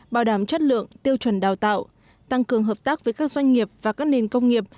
bảo đảm chất lượng tiêu chuẩn đào tạo tăng cường hợp tác với các doanh nghiệp và các nền công nghiệp